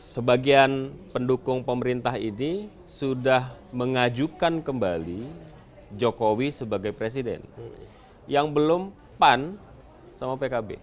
sebagian pendukung pemerintah ini sudah mengajukan kembali jokowi sebagai presiden yang belum pan sama pkb